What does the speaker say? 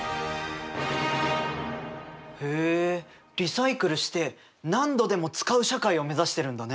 へえリサイクルして何度でも使う社会を目指してるんだね。